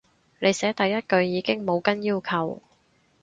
你寫第一句已經冇跟要求